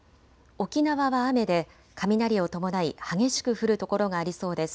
沖縄は雨で雷を伴い激しく降る所がありそうです。